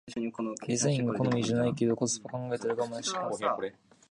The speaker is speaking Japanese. デザインが好みじゃないけどコスパ考えたらガマンして買う